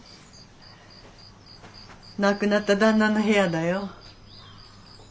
亡くなった旦那の部屋だよ。